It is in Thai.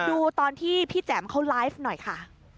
ดูตอนที่พี่แจ๋มเขาไลฟ์หน่อยค่ะ